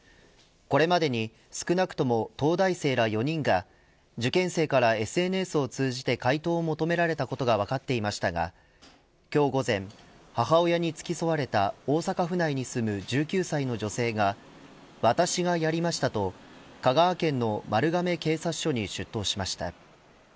これまでに少なくとも東大生ら４人が受験生からＳＮＳを通じて解答を求められたことが分かっていましたが今日午前、母親に付き添われた大阪府内に住む１９歳の女性が私がやりましたと香川県の丸亀警察署に出頭しました。